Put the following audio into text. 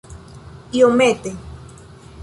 iomete